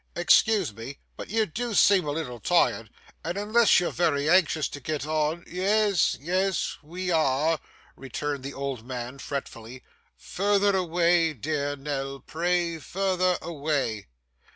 Excuse me, but you do seem a little tired, and unless you're very anxious to get on ' 'Yes, yes, we are,' returned the old man fretfully. 'Further away, dear Nell, pray further away.